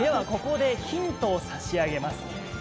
ここでヒントを差し上げます。